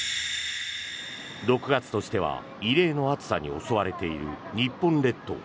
６月としては異例の暑さに襲われている日本列島。